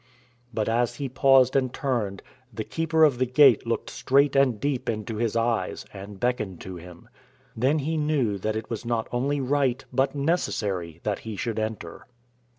But, as he paused and turned, the Keeper of the Gate looked straight and deep into his eyes, and beckoned to him. Then he knew that it was not only right but necessary that he should enter.